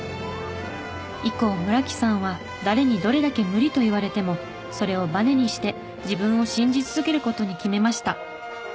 以降村木さんは誰にどれだけ無理と言われてもそれをバネにして自分を信じ続ける事に決めました。